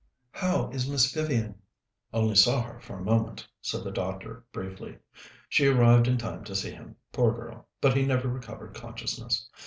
"How is Miss Vivian?" "Only saw her for a moment," said the doctor briefly. "She arrived in time to see him, poor girl, but he never recovered consciousness.